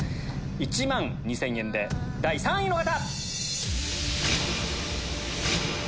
１万２０００円で第３位の方！